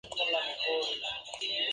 El caravasar tiene un patio octagonal.